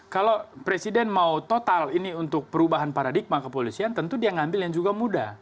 kalau presiden mau total ini untuk perubahan paradigma kepolisian tentu dia ngambil yang juga muda